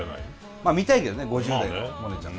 まあ見たいけどね５０代のモネちゃんも。